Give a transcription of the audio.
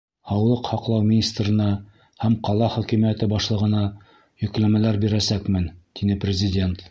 Һаулыҡ һаҡлау министрына һәм ҡала хакимиәте башлығына йөкләмәләр бирәсәкмен, — тине Президент.